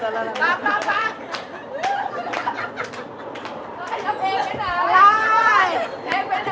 เพลงไปไหน